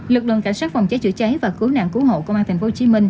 lực lượng cảnh sát phòng cháy chữa cháy và cứu nạn cứu hộ công an tp hcm